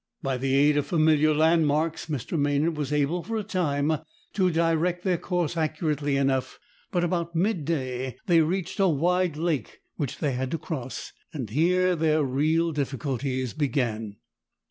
By the aid of familiar landmarks, Mr. Maynard was able for a time to direct their course accurately enough; but about mid day they reached a wide lake which they had to cross, and here their real difficulties began.